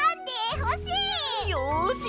よし！